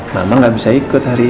mama gak bisa ikut hari ini